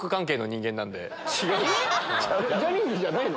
ジャニーズじゃないの？